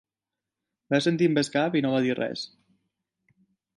Va assentir amb el cap i no va dir res.